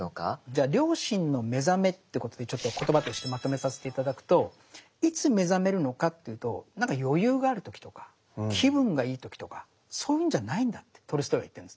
じゃあ良心の目覚めってことでちょっと言葉としてまとめさせて頂くといつ目覚めるのかっていうとなんか余裕がある時とか気分がいい時とかそういうんじゃないんだってトルストイは言ってるんです。